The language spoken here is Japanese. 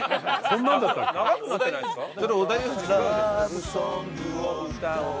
「ラヴ・ソングを歌おう」